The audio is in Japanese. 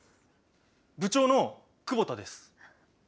部長の久保田です。